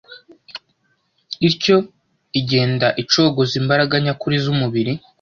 ityo igenda icogoza imbaraga nyakuri z’umubiri,